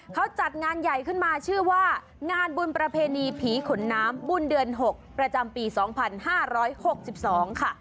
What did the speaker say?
เขาจัดงานใหญ่ขึ้นมาชื่อว่างานบุญประเพณีผีขนน้ำบุญเดือน๖ประจำปี๒๕๖๒ค่ะ